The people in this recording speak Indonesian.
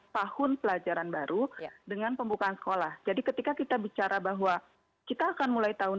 tahun pelajaran baru dengan pembukaan sekolah jadi ketika kita bicara bahwa kita akan mulai tahun